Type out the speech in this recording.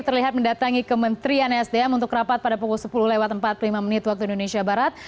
terlihat mendatangi kementerian sdm untuk rapat pada pukul sepuluh lewat empat puluh lima menit waktu indonesia barat